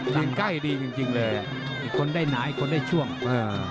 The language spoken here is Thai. เร็วกล้ายดีจริงเลยอีกคนด้ายหนาอีกคนด้ายช่วงอือ